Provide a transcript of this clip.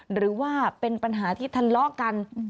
หรือว่าเป็นปัญหาที่ทะเลาะกัน